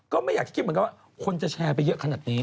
ก็ไม่อยากจะคิดเหมือนกันว่าคนจะแชร์ไปเยอะขนาดนี้